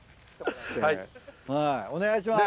お願いします。